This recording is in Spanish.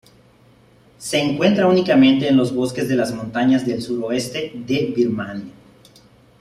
Se encuentra únicamente en los bosques de las montañas del suroeste de Birmania.